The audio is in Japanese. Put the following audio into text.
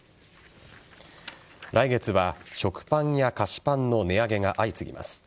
来月は食パンや菓子パンの値上げが相次ぎます。